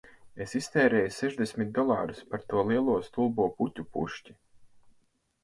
Es iztērēju sešdesmit dolārus par to lielo stulbo puķu pušķi